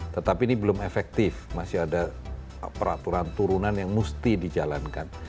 tetapi ini belum efektif masih ada peraturan turunan yang mesti dijalankan